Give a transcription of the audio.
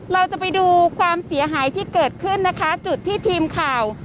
เราจะไปดูความเสียหายที่เกิดขึ้นนะคะจุดที่ทีมข่าว